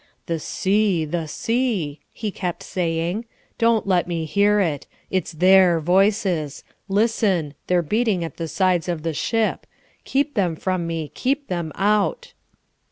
"The sea; the sea," he kept saying, "don't let me hear it. It's THEIR voices. Listen! They're beating at the sides of the ship. Keep them from me, keep them out!"